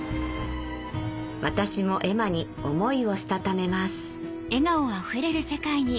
私も絵馬に思いをしたためます